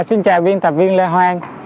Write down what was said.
xin chào viên tập viên lê hoang